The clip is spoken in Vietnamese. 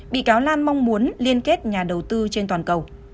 bị cáo lan mong muốn liên kết nhà đầu tư trên toàn cầu